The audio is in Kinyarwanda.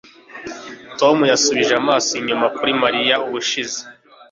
Tom yasubije amaso inyuma kuri Mariya ubushize